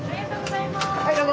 はいどうぞ。